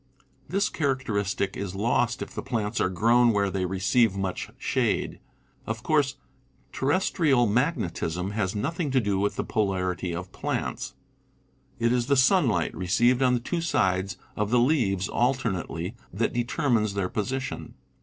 This characteristic is lost if the plants are grown where they receive much shade. Of course, terrestrial mag netism has nothing to do with the polarity of plants; it is the sunlight, received on the two sides of the leaves alternately, that determines their position.